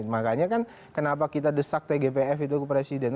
makanya kan kenapa kita desak tgpf itu ke presiden